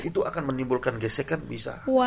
itu akan menimbulkan gesekan bisa